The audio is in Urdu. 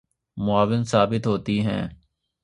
معاون ثابت ہوتی ہیں